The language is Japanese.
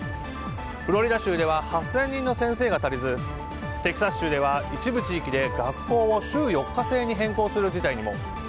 フロリダ州では８０００人の先生が足りずテキサス州では一部地域で学校を週４日制に変更する事態にも。